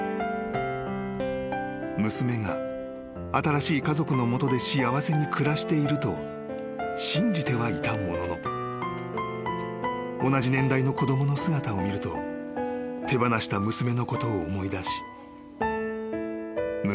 ［娘が新しい家族の元で幸せに暮らしていると信じてはいたものの同じ年代の子供の姿を見ると手放した娘のことを思い出し胸が痛んだ］